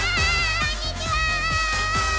こんにちは！